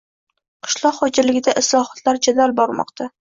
Qishloq xo‘jaligida islohotlar jadal bormoqda